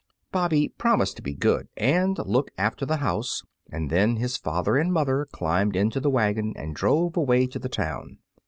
Bobby promised to be good and look after the house, and then his father and mother climbed into the wagon and drove away to the town.